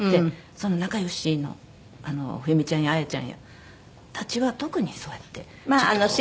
その仲良しの冬美ちゃんやあやちゃんたちは特にそうやってちょっとこう。